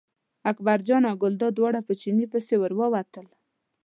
اکبرجان او ګلداد دواړه په چیني پسې ور ووتل.